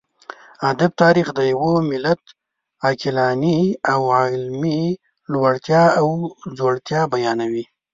ادب تاريخ د يوه ملت عقلاني او علمي لوړتيا او ځوړتيا بيانوي.